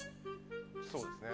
そうですね。